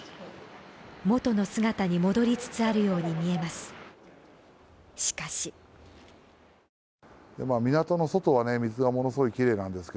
元の姿に戻りつつあるように見えます。